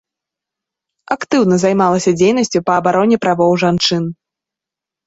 Актыўна займалася дзейнасцю па абароне правоў жанчын.